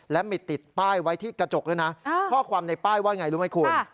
และมีติดป้ายไว้ที่กระจกด้วยนะข้อความในป้ายว่าไงรู้ไหมคุณ